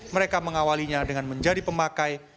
mereka mengawalinya dengan menjadi pemakai